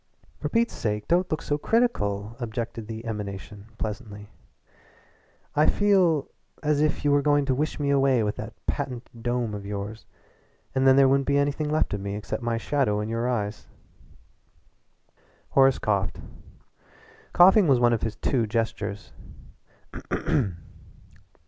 "For Pete's sake, don't look so critical!" objected the emanation pleasantly. "I feel as if you were going to wish me away with that patent dome of yours. And then there wouldn't be anything left of me except my shadow in your eyes." Horace coughed. Coughing was one of his two gestures.